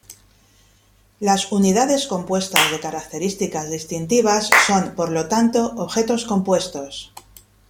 Las unidades compuestas de características distintivas son, por lo tanto, objetos compuestos.